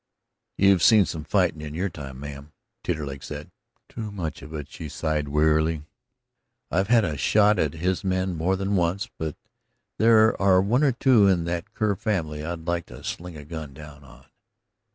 "You've seen some fightin' in your time, ma'am," Taterleg said. "Too much of it," she sighed wearily. "I've had a shot at his men more than once, but there are one or two in that Kerr family I'd like to sling a gun down on!"